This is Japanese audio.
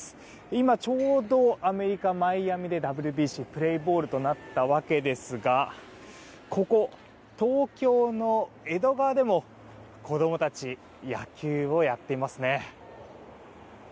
今、ちょうどアメリカ・マイアミでＷＢＣプレーボールとなったわけですがここ、東京の江戸川でも子供たち野球をやっていますね。